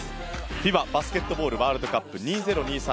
ＦＩＢＡバスケットボールワールドカップ２０２３